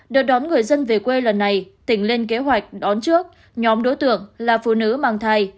đợt đón người dân về quê lần này tỉnh lên kế hoạch đón trước nhóm đối tượng là phụ nữ mang thai